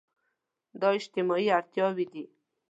دا اجتماعي اړتياوې دي.